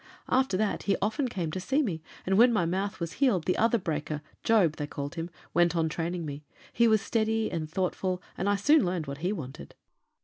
"After that he often came to see me, and when my mouth was healed the other breaker, Job, they called him, went on training me; he was steady and thoughtful, and I soon learned what he wanted."